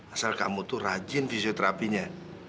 asal kamu itu rajin fisioterapinya